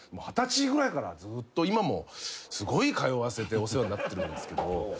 二十歳ぐらいからずっと今もすごい通わせてお世話になってるんですけども。